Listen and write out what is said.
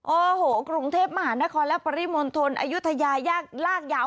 โอ้โหกรุงเทพมหานครและปริมณฑลอายุทยาลากยาว